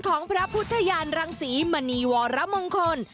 ของพระพุทธยานรังศรีมณีวรมงคล